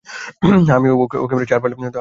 হ্যাঁ, আমি ওকে মেরেছি, আর পারলে আবারও ওকে খুন করব।